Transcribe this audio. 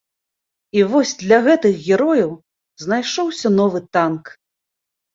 І вось для гэтых герояў знайшоўся новы танк.